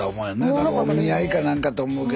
何かこうお見合いか何かと思うけど。